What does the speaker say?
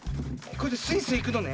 これでスイスイいくのね。